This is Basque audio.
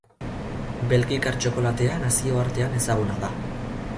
Belgikar txokolatea nazioartean ezaguna da.